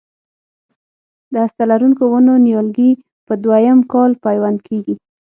د هسته لرونکو ونو نیالګي په دوه یم کال پیوند کېږي.